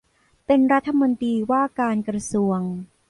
เป็นรัฐมนตรีว่าการกระทรวง